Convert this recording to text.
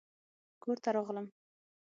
کور ته راغلم